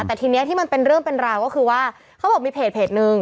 แต่ทีนี้ที่มันเป็นเรื่องเป็นราวก็คือว่าเขาบอกมีเพจนึง